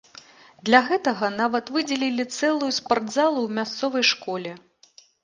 Для гэтага нават выдзелілі цэлую спартзалу ў мясцовай школе.